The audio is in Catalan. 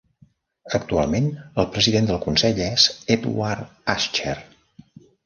Actualment, el president del consell és Edward Asscher.